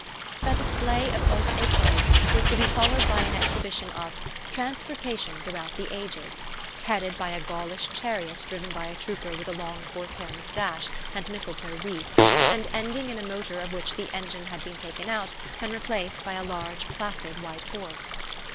The display of haute ecole was to be followed by an exhibition of "transportation throughout the ages," headed by a Gaulish chariot driven by a trooper with a long horsehair moustache and mistletoe wreath, and ending in a motor of which the engine had been taken out and replaced by a large placid white horse.